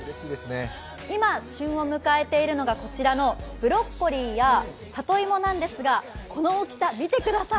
今、旬を迎えているのがこちらのブロッコリーや里芋なんですが、この大きさ、見てください。